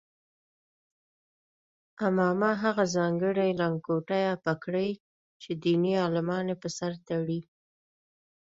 عمامه هغه ځانګړې لنګوټه یا پګړۍ چې دیني عالمان یې پر سر تړي.